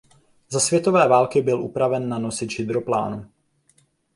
Za světové války byl upraven na nosič hydroplánů.